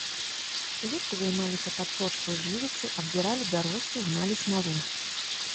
Улетку займаліся падсочкаю жывіцы, абдзіралі бяросту, гналі смалу.